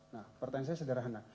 nah pertanyaan saya sederhana